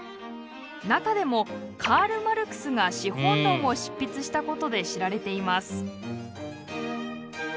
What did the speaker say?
中でもカール・マルクスが「資本論」を執筆したことで知られています。